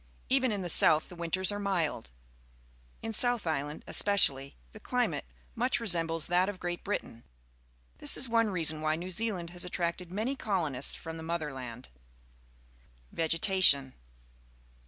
Even in the south the winters are mild. In Sauthlsland, especially, the chmate much re.gpmhliy that of C! reat_ Brita in. This is one reason why New Zealand has attracted many colonists from the Motherland. Vegetation.